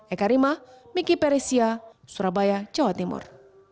eka rima miki peresia surabaya jawa timur